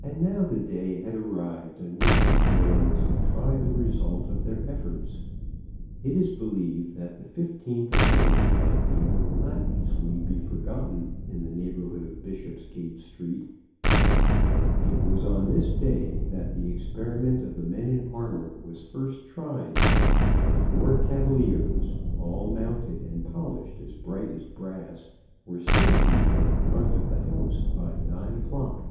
And now the day had arrived on which the firm was to try the result of their efforts. It is believed that the 15th of May in that year will not easily be forgotten in the neighbourhood of Bishopsgate Street. It was on this day that the experiment of the men in armour was first tried, and the four cavaliers, all mounted and polished as bright as brass, were stationed in the front of the house by nine o'clock.